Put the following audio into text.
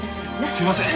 すいません。